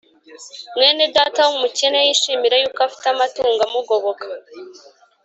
Mwene Data wumukene yishimire yuko afite amatungo amugoboka